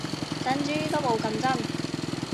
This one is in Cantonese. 珍珠都冇咁真